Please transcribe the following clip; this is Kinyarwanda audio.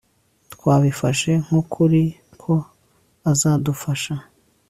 Twabifashe nkukuri ko azadufasha